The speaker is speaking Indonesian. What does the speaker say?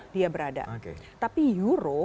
dia berada tapi euro